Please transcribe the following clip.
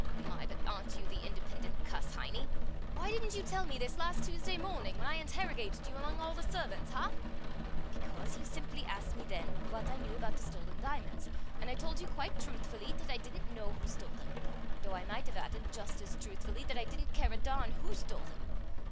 My, but aren't you the independent cuss, Heinie? Why didn't you tell me this last Tuesday morning, when I interrogated you, among all the servants, huh?" "Because you simply asked me then what I knew about the stolen diamonds, and I told you quite truthfully that I didn't know who stole them, though I might have added, just as truthfully, that I didn't care a darn who stole them!